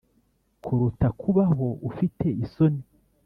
kuruta kubaho ufite isoni